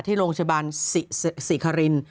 ที่โรงชาบานศรีคาริน